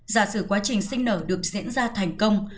giả sử quá trình sinh nở được diễn ra thành công